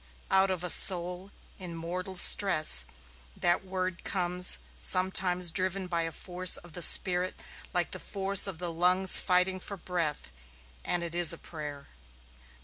Out of a soul in mortal stress that word comes sometimes driven by a force of the spirit like the force of the lungs fighting for breath and it is a prayer.